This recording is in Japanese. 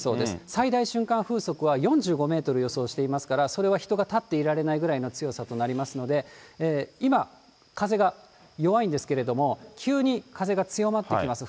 最大瞬間風速は４５メートル予想してますから、それは人が立っていられないぐらいの強さとなりますので、今、風が弱いんですけれども、急に風が強まってきます。